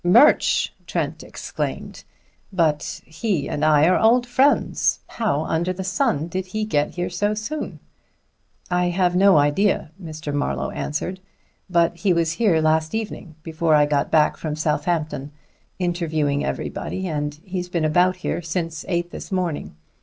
"Murch!" Trent exclaimed. "But he and I are old friends. How under the sun did he get here so soon?" "I have no idea," Mr. Marlowe answered. "But he was here last evening, before I got back from Southampton, interviewing everybody, and he's been about here since eight this morning.